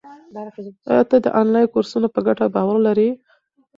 آیا ته د انلاین کورسونو په ګټه باور لرې؟